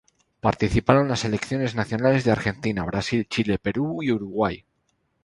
Participaron las selecciones nacionales de Argentina, Brasil, Chile, Perú y Uruguay.